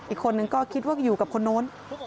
อีกคนนึงก็คิดว่าอยู่กับคนนู้น